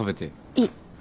いい。